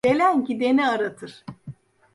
Gelen gideni aratır.